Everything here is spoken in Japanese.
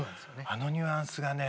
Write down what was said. あのニュアンスがね。